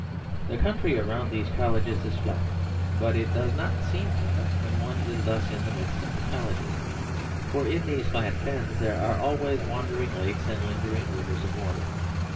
"The country around these colleges is flat; but it does not seem flat when one is thus in the midst of the colleges. For in these flat fens there are always wandering lakes and lingering rivers of water.